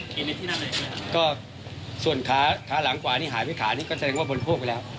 กินในที่นั่นเลยครับก็ส่วนขาขาหลังกว่านี้หายไปขานี่ก็แสดงว่าบริโภคไปแล้ว